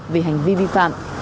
về hành vi vi phạm